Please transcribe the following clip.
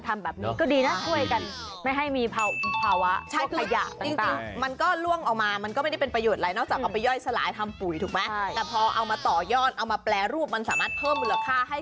เป็นหลายที่เหมือนกันที่เขาก็เอาวัสดุเหลือใช้